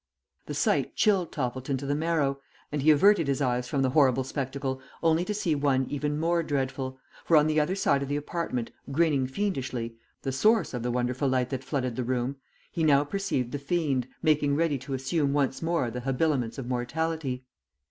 The sight chilled Toppleton to the marrow, and he averted his eyes from the horrible spectacle only to see one even more dreadful, for on the other side of the apartment, grinning fiendishly, the source of the wonderful light that flooded the room, he now perceived the fiend, making ready to assume once more the habiliments of mortality.